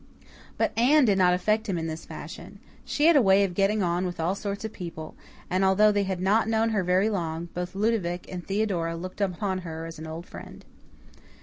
But Anne did not affect him in this fashion. She had a way of getting on with all sorts of people, and, although they had not known her very long, both Ludovic and Theodora looked upon her as an old friend.